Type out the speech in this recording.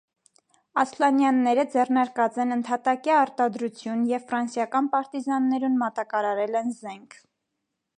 Ասլանեանները ձեռնարկած են ընդյատակեայ արտադրութիւն եւ ֆրանսական պարտիզաններուն մատակարարել են զէնք։